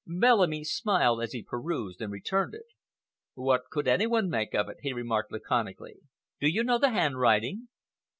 Bellamy smiled as he perused and returned it. "What could any one make of it?" he remarked, laconically. "Do you know the handwriting?"